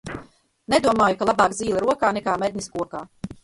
"Nedomāju, ka "labāk zīle rokā, nekā mednis kokā"."